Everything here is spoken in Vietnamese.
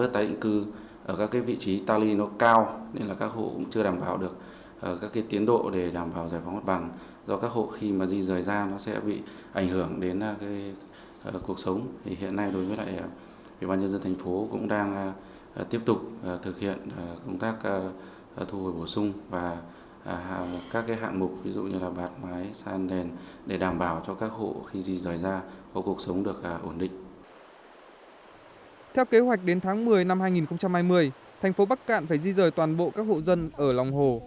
theo kế hoạch đến tháng một mươi năm hai nghìn hai mươi thành phố bắc cạn phải di rời toàn bộ các hộ dân ở lòng hồ